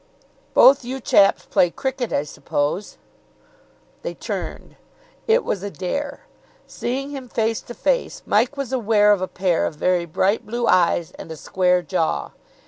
"Both you chaps play cricket, I suppose?" They turned. It was Adair. Seeing him face to face, Mike was aware of a pair of very bright blue eyes and a square jaw.